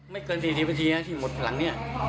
ไม่เกินสี่สิบนาทีที่หมดหลังนี่